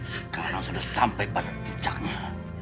sekarang sudah sampai pada jejaknya